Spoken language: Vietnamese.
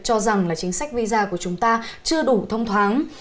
cho rằng là chính sách visa của chúng ta chưa đủ thông thoáng